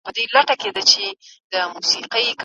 کمپيوټر چاپېريال ساتي.